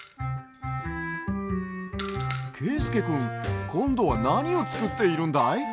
けいすけくんこんどはなにをつくっているんだい？